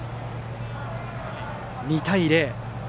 ２対０。